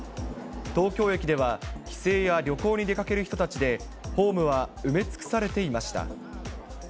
東京駅では、帰省や旅行に出かける人たちでホームは埋め尽くされていました。